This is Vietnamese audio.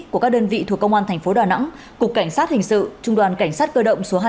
của các đơn vị thuộc công an thành phố đà nẵng cục cảnh sát hình sự trung đoàn cảnh sát cơ động số hai